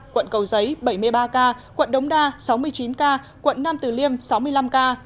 quận cầu giấy bảy mươi ba ca quận đống đa sáu mươi chín ca quận nam tử liêm sáu mươi năm ca